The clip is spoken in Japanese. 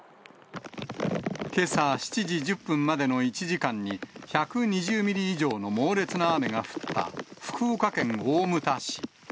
けさ７時１０分までの１時間に、１２０ミリ以上の猛烈な雨が降った福岡県大牟田市。